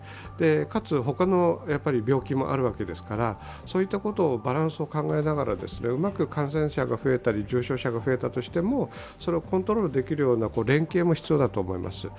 かつ、他の病気もあるわけですからそういったこともバランスを考えながらうまく、感染者が増えたり、重症者が増えたとしても、それをコントロールできるような連携も必要だと思います。